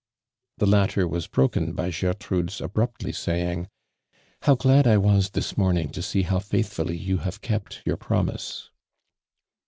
The latter was broken Ijy (iertrudes abruptly saying: ' How glad I v/a.s this morning to see how faithfully you have kept your promise."